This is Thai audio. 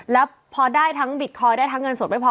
แล้วพอได้ทั้งบิตคอยน์ได้ทั้งเงินสดไม่พอ